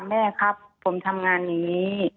แม่ครับผมทำงานอย่างนี้